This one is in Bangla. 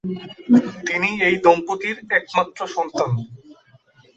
তিনি এই দম্পতির একমাত্র সন্তান।